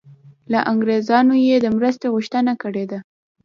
له انګریزانو یې د مرستې غوښتنه کړې ده.